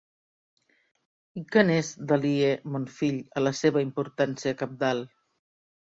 I què n'és, d'aliè, mon fill, a la seva importància cabdal!